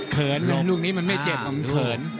ลงลูกนี้มันไม่เจ็บมันเขิน